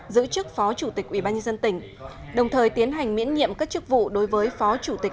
giữ chức phó chủ tịch ubnd tỉnh đồng thời tiến hành miễn nhiệm các chức vụ đối với phó chủ tịch